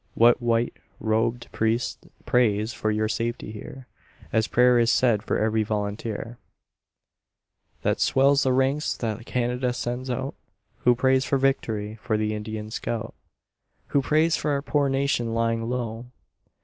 What white robed priest prays for your safety here, As prayer is said for every volunteer That swells the ranks that Canada sends out? Who prays for vict'ry for the Indian scout? Who prays for our poor nation lying low?